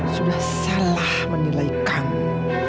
sudah salah menilai kamu